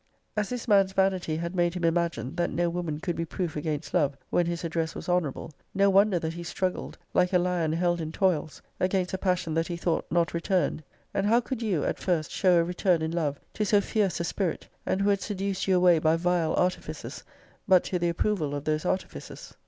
>>> As this man's vanity had made him imagine, that no woman could be proof against love, when his address was honourable; no wonder that he struggled, like a lion held in toils, against a passion that he thought not returned. And how could you, at first, show a return in love, to so fierce a spirit, and who had seduced you away by vile artifices, but to the approval of those artifices.